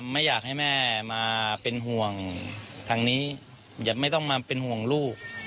ไม่อยากให้แม่มาเป็นห่วงทางนี้อย่าไม่ต้องมาเป็นห่วงลูก